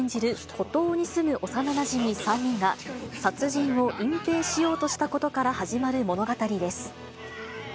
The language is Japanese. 孤島に住む幼なじみ３人が、殺人を隠蔽しようとしたことから始まる物語です。